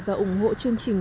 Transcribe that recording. và ủng hộ chương trình